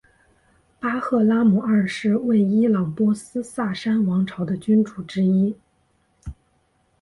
巴赫拉姆二世为伊朗波斯萨珊王朝的君主之一。